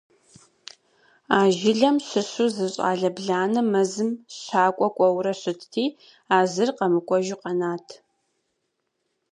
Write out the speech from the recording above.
А жылэм щыщу зы щӀалэ бланэ мэзым щакӀуэ кӏуэурэ щытти, а зыр къэмыкӀуэжу къэнат.